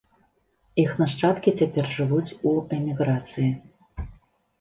Іх нашчадкі цяпер жывуць у эміграцыі.